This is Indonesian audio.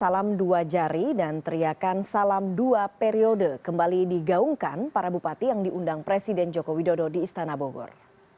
salam dua jari dan teriakan salam dua periode kembali digaungkan para bupati yang diundang presiden joko widodo di istana bogor